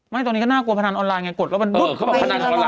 ไม่ตรงนี้ก็น่ากลัวพนันออนไลน์ไงกดแล้วมันบึ๊บ